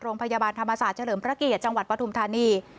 โรงพยาบาลธรรมศาสตร์เฉลิมพระเกียรติจังหวัดปฐุมธานี